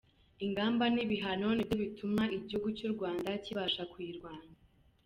Ingamba n’ibihano ni byo bituma igihugu cy’u Rwanda kibasha kuyirwanya.